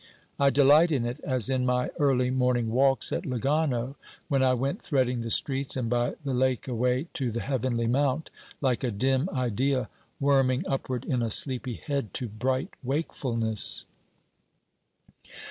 I delight in it, as in my early morning walks at Lugano, when I went threading the streets and by the lake away to "the heavenly mount," like a dim idea worming upward in a sleepy head to bright wakefulness.